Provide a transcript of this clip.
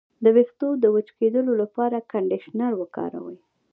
د ویښتو د وچ کیدو لپاره کنډیشنر وکاروئ